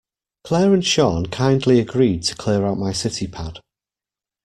Claire and Sean kindly agreed to clear out my city pad.